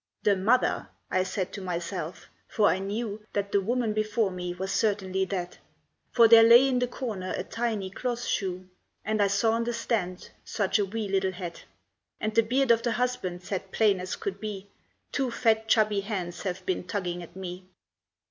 "The mother," I said to myself; for I knew That the woman before me was certainly that, For there lay in the corner a tiny cloth shoe, And I saw on the stand such a wee little hat; And the beard of the husband said plain as could be, "Two fat, chubby hands have been tugging at me."